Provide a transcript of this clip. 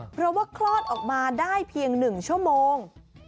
เพราะว่าคลอดออกมาได้เพียง๑ชั่วโมง